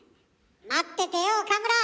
待っててよ岡村！